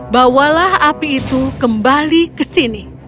bawalah api itu kembali ke sini